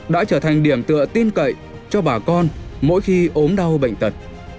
đã trở thành điểm tựa tin cậy cho bà con mỗi khi ốm đau bệnh tật